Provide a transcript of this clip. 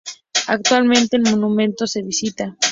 Actualmente, el monumento se visita.